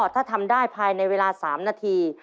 ถ้าทำได้ภายในเวลา๓นาที